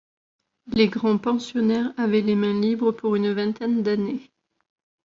Les grands pensionnaires avaient les mains libres pour une vingtaine d'années.